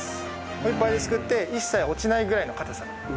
ホイッパーですくって一切落ちないぐらいの固さ。